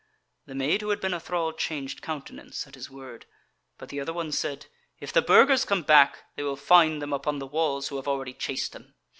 The maid who had been a thrall changed countenance at his word; but the other one said: "If the Burgers come back, they will find them upon the walls who have already chaced them.